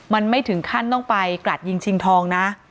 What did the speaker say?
มันไม่ถึงขั้นต้องไปกรัดยิงชิงทองนะ